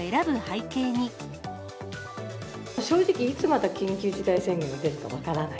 正直、いつまた緊急事態宣言が出るか分からない。